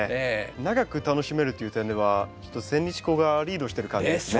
長く楽しめるという点ではちょっとセンニチコウがリードしてる感じですね。